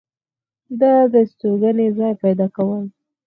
دا ستوګنې ځاے پېدا كول